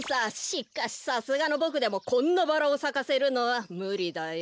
しかしさすがのボクでもこんなバラをさかせるのはむりだよ。